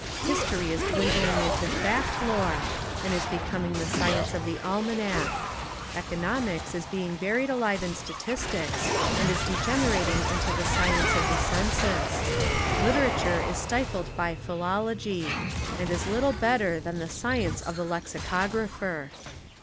History is dwindling into fact lore and is becoming the science of the almanac; economics is being buried alive in statistics and is degenerating into the science of the census; literature is stifled by philology, and Is little better than the science of the lexicographer.